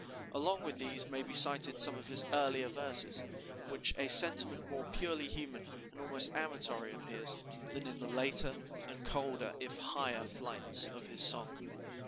Along with these may be cited some of his earlier verses, in which a sentiment more purely human and almost amatory appears, than in the later and colder, if higher flights of his song.